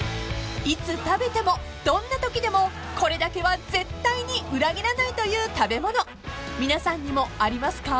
［いつ食べてもどんなときでもこれだけは絶対に裏切らないという食べ物皆さんにもありますか？］